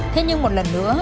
thế nhưng một lần nữa